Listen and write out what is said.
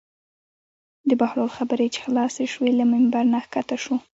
د بهلول خبرې چې خلاصې شوې له ممبر نه کښته شو.